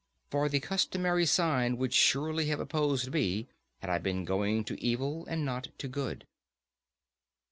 For the customary sign would surely have opposed me had I been going to evil and not to good.